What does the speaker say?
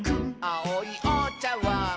「あおいおちゃわん」